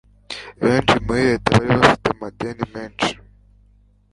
benshi muri leta bari bafite amadeni menshi